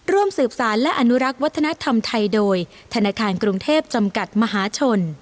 ร่วมสืบสารและอนุรักษ์วัฒนธรรมไทยโดยธนาคารกรุงเทพจำกัดมหาชน